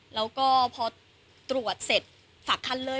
แล้วก็พอตรวจเสร็จฝากคันเลย